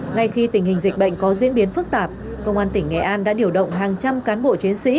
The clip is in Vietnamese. ngay khi tình hình dịch bệnh có diễn biến phức tạp công an tỉnh nghệ an đã điều động hàng trăm cán bộ chiến sĩ